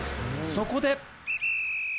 そこで！